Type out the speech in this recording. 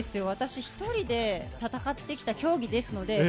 私１人で戦ってきた競技ですので。